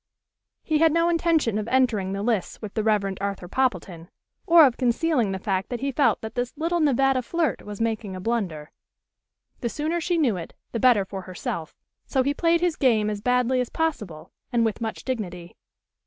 He had no intention of entering the lists with the Rev. Arthur Poppleton, or of concealing the fact that he felt that this little Nevada flirt was making a blunder. The sooner she knew it, the better for herself; so he played his game as badly as possible, and with much dignity.